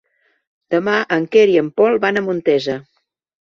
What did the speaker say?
Demà en Quer i en Pol van a Montesa.